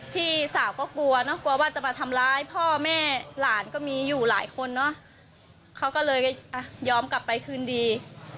พี่สาวก็กลัวเนอะกลัวว่าจะมาทำร้ายพ่อแม่หลานก็มีอยู่หลายคนเนอะเขาก็เลยอ่ะยอมกลับไปคืนดี